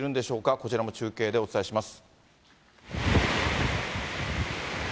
こちらも中継でお伝えします。